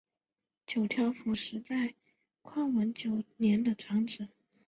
九条辅实在宽文九年的长子。